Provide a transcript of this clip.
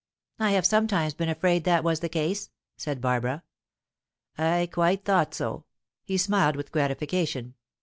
"I have sometimes been afraid that was the case," said Barbara. "I quite thought so." He smiled with gratification.